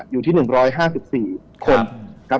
อยู่ที่๑๕๔คน